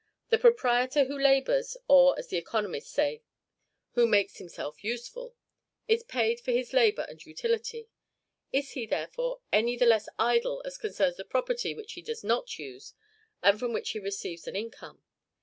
The proprietor who labors, or, as the economists say, WHO MAKES HIMSELF USEFUL, is paid for this labor and utility; is he, therefore, any the less idle as concerns the property which he does not use, and from which he receives an income?